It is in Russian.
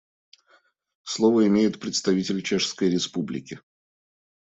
Слово имеет представитель Чешской Республики.